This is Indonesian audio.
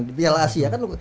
di biala asia kan